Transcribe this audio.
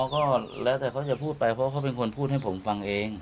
ก็แล้วแต่เขาจะพูดไปเพราะเขาเป็นคนพูดให้ผมฟังเอง